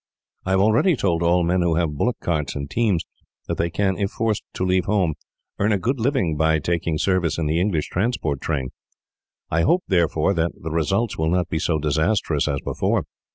"I have already told all men who have bullock carts and teams, that they can, if forced to leave home, earn a good living by taking service in the English transport train. I hope, therefore, that the results will not be so disastrous as before.